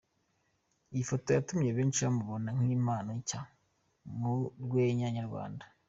Iyi foto yatumye benshi bamubona nk'impano nshya mu rwenya nyarwanda.